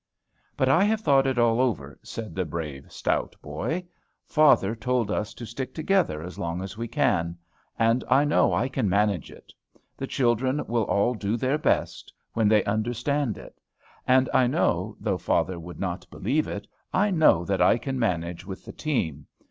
"But I have thought it all over," said the brave, stout boy. "Father told us to stick together as long as we can. And I know I can manage it. The children will all do their best when they understand it. And I know, though father could not believe it, I know that I can manage with the team.